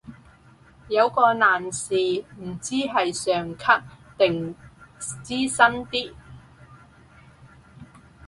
有個男士唔知係上級定資深啲